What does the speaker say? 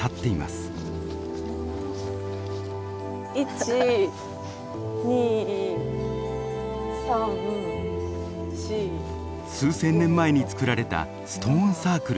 数千年前に作られたストーンサークルです。